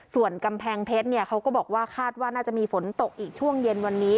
ส่วนกำแพงเพชรเขาก็บอกว่าคาดว่าน่าจะมีฝนตกอีกช่วงเย็นวันนี้